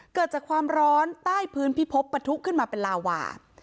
เกิดจากความร้อนใต้พื้นพิพบปะทุขึ้นมาเป็นลาวา